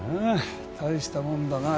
大したもんだな。